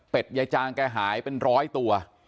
ยายจางแกหายเป็นร้อยตัว